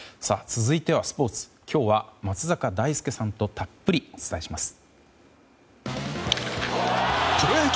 続いては、スポーツ今日は松坂大輔さんとたっぷりお伝えします。